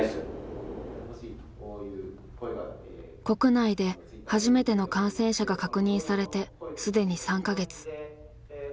国内で初めての感染者が確認されて既に３か月。